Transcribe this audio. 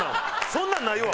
そんなんないわ。